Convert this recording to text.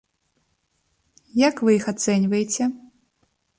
Як вы іх ацэньваеце?